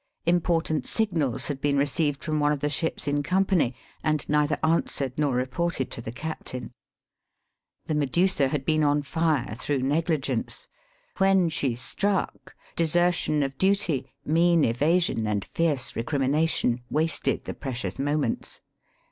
Important signals had been received from one of the ships in company, and neither answered nor reported to the captain. The Medusa had been on fire through negligence. When she struck, desertion of duty, mean evasion and fierce re crimination, wasted the precious moments.